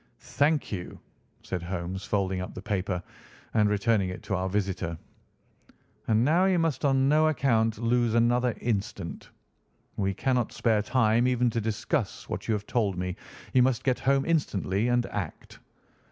"Thank you!" said Holmes, folding up the paper and returning it to our visitor. "And now you must on no account lose another instant. We cannot spare time even to discuss what you have told me. You must get home instantly and act."